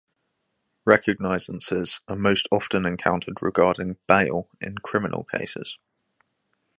Recognizances are most often encountered regarding bail in criminal cases.